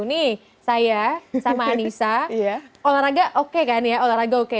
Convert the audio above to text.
nih saya sama anissa olahraga oke kan ya